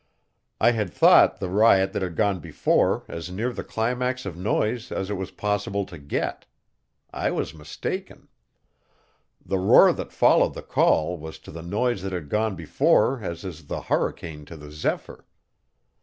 I had thought the riot that had gone before as near the climax of noise as it was possible to get. I was mistaken. The roar that followed the call was to the noise that had gone before as is the hurricane to the zephyr.